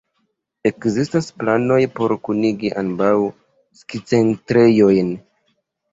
Ekzistas planoj por kunigi ambaŭ skicentrejojn.